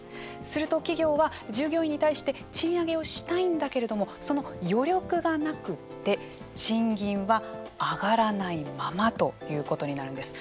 すると企業は従業員に対して賃上げをしたいんだけれどもその余力がなくて賃金は上がらないままということになるんです。